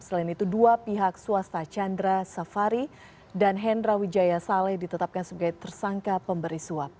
selain itu dua pihak swasta chandra safari dan hendra wijaya saleh ditetapkan sebagai tersangka pemberi suap